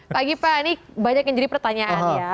pagi pak ini banyak yang jadi pertanyaan ya